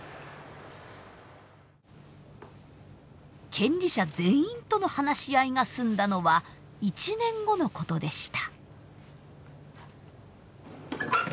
権利者全員との話し合いが済んだのは１年後のことでした。